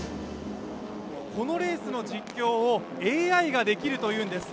このレースの実況をＡＩができるというんです。